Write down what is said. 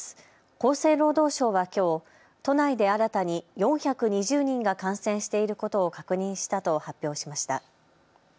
厚生労働省はきょう都内で新たに４２０人が感染していることを確認したと発表しました。